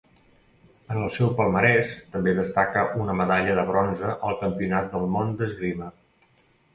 En el seu palmarès també destaca una medalla de bronze al campionat del món d'esgrima.